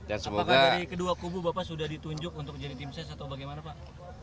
apakah dari kedua kubu bapak sudah ditunjuk untuk jadi tim ses atau bagaimana pak